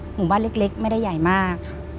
หมู่บ้านเล็กไม่ได้ใหญ่มาก